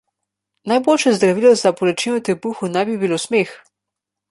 Najboljše zdravilo za bolečine v trebuhu naj bi bilo smeh.